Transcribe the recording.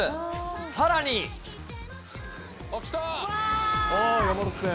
さらに。来た。